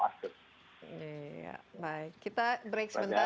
baik kita break sebentar